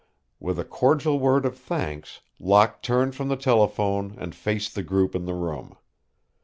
With a cordial word of thanks Locke turned from the telephone and faced the group in the room.